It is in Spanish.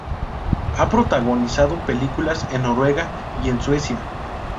Ha protagonizado películas en Noruega y en Suecia.